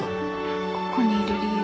ここにいる理由